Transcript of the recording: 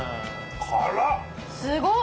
辛っ！